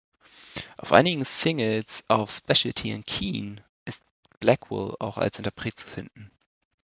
Auf einigen Singles auf Specialty und Keen ist Blackwell auch als Interpret zu finden.